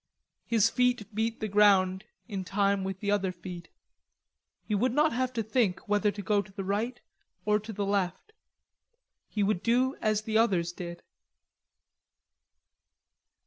His feet beat the ground in time with the other feet. He would not have to think whether to go to the right or to the left. He would do as the others did.